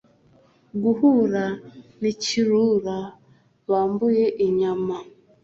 Guhura n’ikirura bambuye ibyana